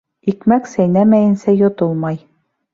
Икмәк сәйнәмәйенсә йотолмай.